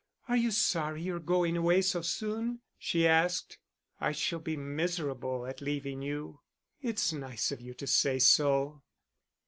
"Are you sorry you're going away so soon?" she asked. "I shall be miserable at leaving you." "It's nice of you to say so."